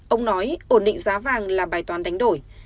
ông nói ổn định giá vàng là bài toán đánh đổi